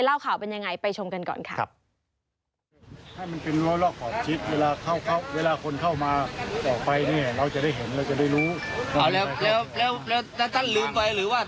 แล้วท่านท่านลืมไปหรือว่า